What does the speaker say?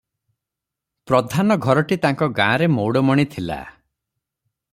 ପ୍ରଧାନ ଘରଟି ତା'ଙ୍କ ଗାଁରେ ମଉଡ଼ମଣି ଥିଲା ।